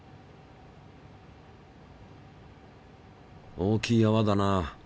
大きいあわだな。